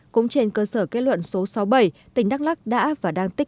cũng trên cơ sở kết luận số sáu bảy